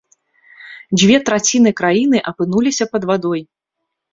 Дзве траціны краіны апынуліся пад вадой.